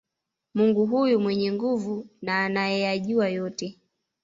Mungu huyu mwenye nguvu na anayeyajua yote